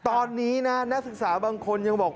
ตอนนี้นะนักศึกษาบางคนยังบอก